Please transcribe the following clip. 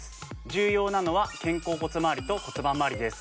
重要なのは肩甲骨まわりと骨盤まわりです。